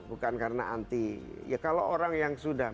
bukan karena anti ya kalau orang yang sudah